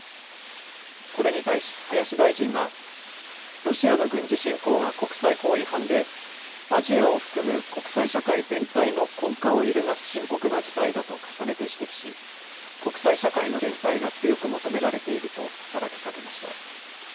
これに対し林大臣はロシアの軍事侵攻は国際法違反でアジアを含む国際社会全体の根幹を揺るがす深刻な事態だと重ねて指摘し国際社会の連帯が強く求められていると働きかけました。